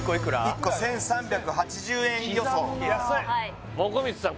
１個１３８０円予想もこみちさん